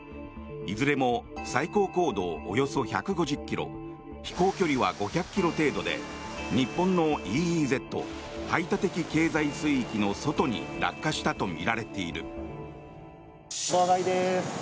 いずれも最高高度およそ１５０ｋｍ飛行距離は５００ｋｍ程度で日本のＥＥＺ・排他的経済水域の外に落下したとみられている。